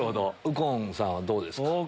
右近さんはどうですか？